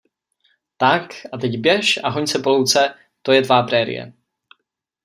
Tak, a teď běž a hoň se po louce, to je tvá prérie.